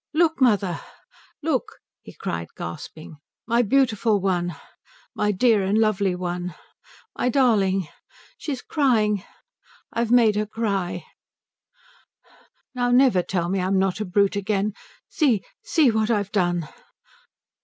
"Look, mother, look " he cried, gasping, "my beautiful one my dear and lovely one my darling she's crying I've made her cry now never tell me I'm not a brute again see, see what I've done!"